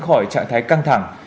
khỏi trạng thái căng thẳng